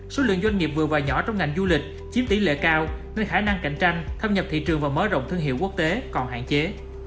số lượng doanh nghiệp vừa và nhỏ trong ngành du lịch chiếm tỷ lệ cao nên khả năng cạnh tranh thâm nhập thị trường và mở rộng thương hiệu quốc tế còn hạn chế